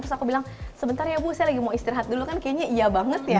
terus aku bilang sebentar ya bu saya lagi mau istirahat dulu kan kayaknya iya banget ya